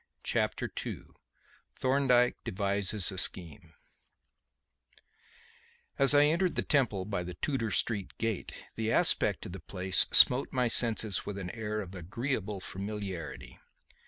Chapter II Thorndyke Devises a Scheme As I entered the Temple by the Tudor Street gate the aspect of the place smote my senses with an air of agreeable familiarity.